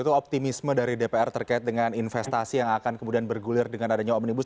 itu optimisme dari dpr terkait dengan investasi yang akan kemudian bergulir dengan adanya omnibus